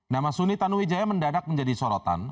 nama suni tanu wijaya mendadak menjadi sorotan